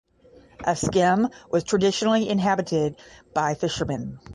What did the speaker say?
Askim was traditionally inhabited by fishermen.